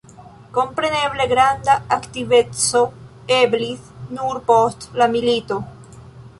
Kompreneble, granda aktiveco eblis nur post la milito.